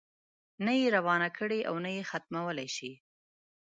نه یې روانه کړې او نه یې ختمولای شي.